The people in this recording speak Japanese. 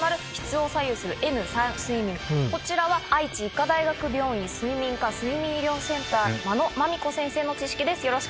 こちらは愛知医科大学病院睡眠科睡眠医療センター眞野まみこ先生の知識です。